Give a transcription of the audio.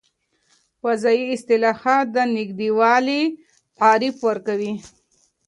فضايي اصطلاحات د نږدې والي تعریف ورکوي.